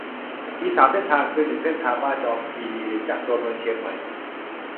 มี สาม เส้นทาง คือ หนึ่ง เส้นทางบ้านจอมคีรี จากตัวเมืองเชียงใหม่